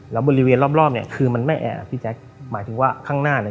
แล้วบริเวณรอบรอบเนี่ยคือมันไม่แออ่ะพี่แจ๊คหมายถึงว่าข้างหน้าเนี่ย